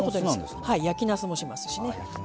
焼きなすもしますしね。